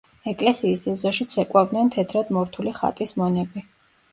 ეკლესიის ეზოში ცეკვავდნენ თეთრად მორთული „ხატის მონები“.